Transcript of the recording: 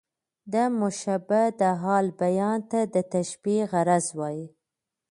د مشبه د حال بیان ته د تشبېه غرض وايي.